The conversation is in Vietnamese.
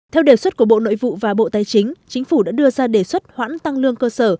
theo đề xuất của bộ nội vụ và bộ tài chính chính phủ đã đưa ra đề xuất hoãn tăng lương cơ sở